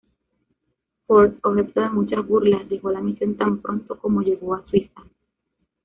Ford, objeto de muchas burlas, dejó la misión tan pronto como llegó a Suiza.